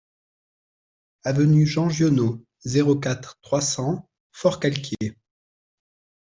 Avenue Jean Giono, zéro quatre, trois cents Forcalquier